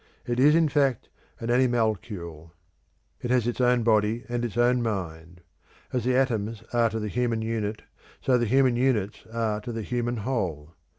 It is in fact an animalcule. It has its own body and its own mind. As the atoms are to the human unit, so the human units are to the human whole.